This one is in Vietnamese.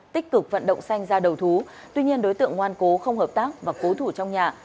tích cực vận động xanh ra đầu thú tuy nhiên đối tượng ngoan cố không hợp tác và cố thủ trong nhà